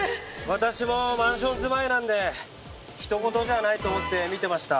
私もマンション住まいなんでひとごとじゃないと思って見てました。